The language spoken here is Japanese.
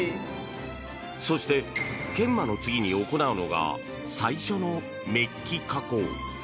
そして、研磨の次に行うのが最初のメッキ加工。